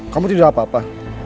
kamu tidak apa apa